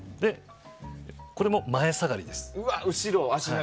これも前下がりです。